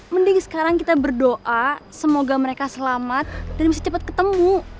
mending sekarang kita berdoa semoga mereka selamat dan bisa cepat ketemu